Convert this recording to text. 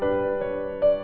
terima kasih yoko